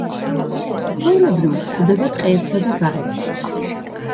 ჩვეულებრივ გვხვდება ტყეებსა და ბაღებში.